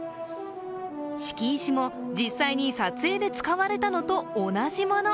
敷石も実際に撮影で使われたものと同じもの。